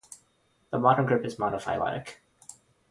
The modern group is monophyletic.